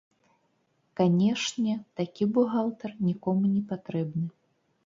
Канешне, такі бухгалтар нікому не патрэбны.